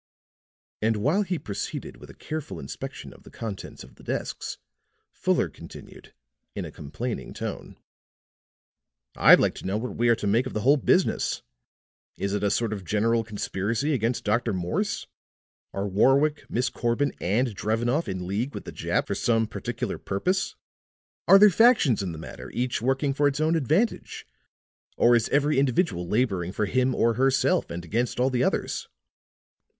And while he proceeded with a careful inspection of the contents of the desks, Fuller continued in a complaining tone: "I'd like to know what we are to make of the whole business. Is it a sort of general conspiracy against Dr. Morse? Are Warwick, Miss Corbin and Drevenoff in league with the Jap for some particular purpose? are there factions in the matter each working for its own advantage? or is every individual laboring for him or herself, and against all the others?"